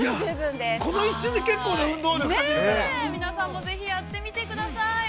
◆皆さんも、ぜひやってみてください。